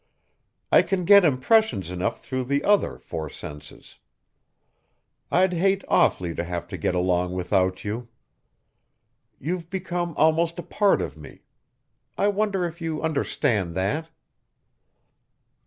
I can get impressions enough through the other four senses. I'd hate awfully to have to get along without you. You've become almost a part of me I wonder if you understand that?"